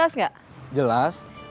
bahasa amerika juga sama